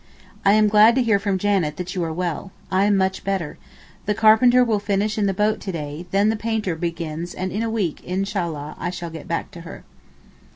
I am glad to hear from Janet that you are well. I am much better. The carpenter will finish in the boat to day, then the painter begins and in a week, Inshallah, I shall get back into her.